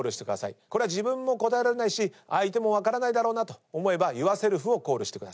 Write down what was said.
これは自分も答えられないし相手も分からないだろうなと思えばユアセルフをコール。